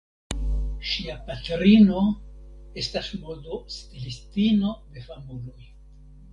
Ŝia patrino estas modostilistino de famuloj.